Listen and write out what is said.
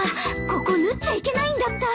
ここ縫っちゃいけないんだった。